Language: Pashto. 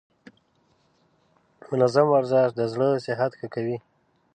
منظم ورزش د زړه صحت ښه کوي.